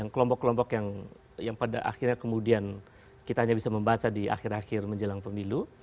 kelompok kelompok yang pada akhirnya kemudian kita hanya bisa membaca di akhir akhir menjelang pemilu